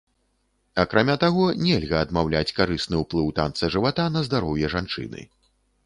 Акрамя таго, нельга адмаўляць карысны ўплыў танца жывата на здароўе жанчыны.